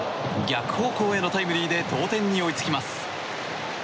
逆方向へのタイムリーで同点に追いつきます。